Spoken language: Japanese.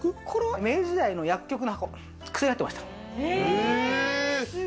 明治時代の薬局の箱、薬が入ってました。